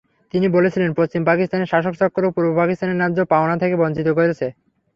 তিনি বলছিলেন পশ্চিম পাকিস্তানের শাসকচক্র পূর্ব পাকিস্তানিদের ন্যায্য পাওনা থেকে বঞ্চিত করছে।